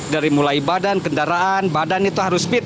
dari mulai badan kendaraan badan itu harus fit